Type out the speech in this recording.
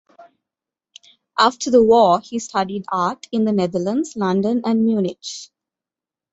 After the war he studied art in the Netherlands, London and Munich.